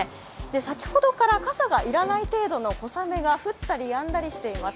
先ほどから傘が要らない程度の小雨が降ったりやんだりしています。